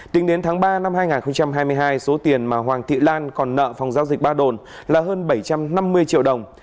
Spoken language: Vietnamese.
tính đến tháng ba năm hai nghìn hai mươi hai số tiền mà hoàng thị lan còn nợ phòng giao dịch ba đồn là hơn bảy trăm năm mươi triệu đồng